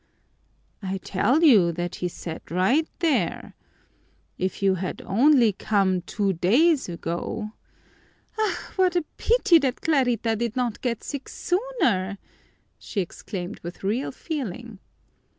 "I tell you that he sat right there. If you had only come two days ago " "Ah, what a pity that Clarita did not get sick sooner!" she exclaimed with real feeling.